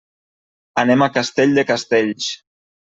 Anem a Castell de Castells.